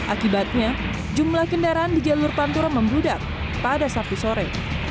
akibatnya jumlah kendaraan di jalur pantura membludak pada sabtu sore